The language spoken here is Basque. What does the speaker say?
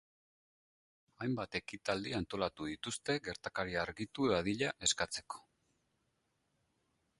Hainbat ekitaldi antolatu dituzte gertakaria argitu dadila eskatzeko.